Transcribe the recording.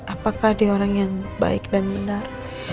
apakah dia orang yang baik dan benar